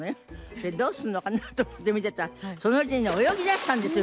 でどうすんのかな？と思って見てたらそのうちにね泳ぎだしたんですよ